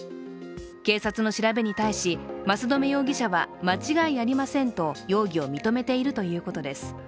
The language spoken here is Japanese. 警察の調べに対し益留容疑者は間違いありませんと容疑を認めているということです。